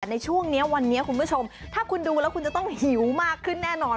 แต่ในช่วงนี้วันนี้คุณผู้ชมถ้าคุณดูแล้วคุณจะต้องหิวมากขึ้นแน่นอน